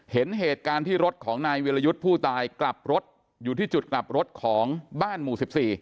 เห็นเหตุการณ์ที่รถของนายวิรยุทธ์ผู้ตายกลับรถอยู่ที่จุดกลับรถของบ้านหมู่๑๔